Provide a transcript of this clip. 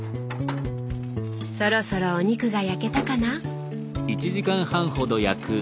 そろそろお肉が焼けたかな？